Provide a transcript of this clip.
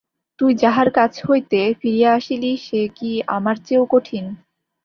তুই যাহার কাছ হইতে ফিরিয়া আসিলি সে কি আমার চেয়েও কঠিন।